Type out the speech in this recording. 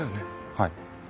はい。